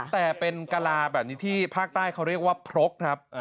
แต่เป็นกะลาแบบนี้ที่ภาคใต้เขาเรียกว่าพรกครับ